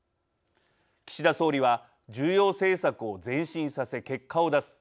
岸田総理は「重要政策を前進させ結果を出す。